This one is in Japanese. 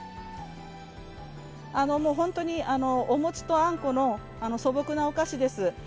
本当にお餅とあんこの素朴なお菓子です。